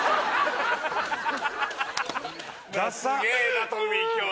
ダッサすげえなトミー今日